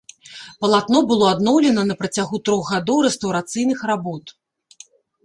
Палатно было адноўлена на працягу трох гадоў рэстаўрацыйных работ.